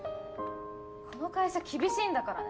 この会社厳しいんだからね